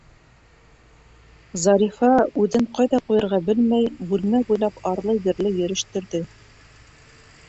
Зарифа, үҙен ҡайҙа ҡуйырға белмәй, бүлмә буйлап арлы- бирле йөрөштөрҙө.